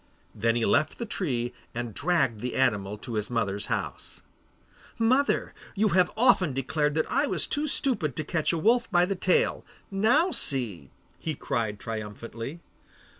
Then he left the tree and dragged the animal to his mother's house. 'Mother, you have often declared that I was too stupid to catch a wolf by the tail. Now see,' he cried triumphantly.